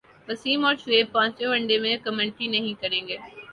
وسیم اور شعیب پانچویں one day میں کمنٹری نہیں کریں گے